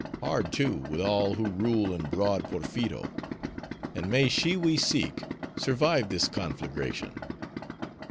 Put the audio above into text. Hard, too, with all who rule in broad Porpheero. And may she we seek, survive this conflagration!"